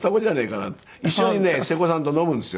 一緒にね瀬古さんと飲むんですよ